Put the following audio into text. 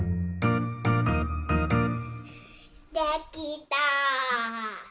できた！